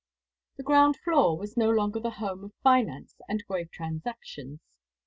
The ground floor was no longer the home of finance and grave transactions.